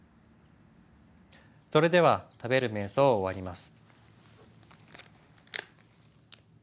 それでは食べる瞑想を終わります。